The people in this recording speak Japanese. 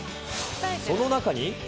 その中に。